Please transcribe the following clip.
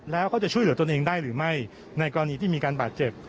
แล้วก็จะช่วยเหลือตนเองได้หรือไม่ในกรณีที่มีการบาดเจ็บ